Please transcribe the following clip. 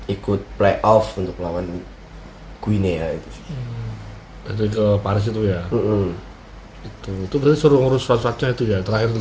ikut playoff untuk lawan guinea itu ke paris itu ya itu itu berusaha usaha itu ya terakhir